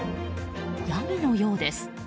ヤギのようです。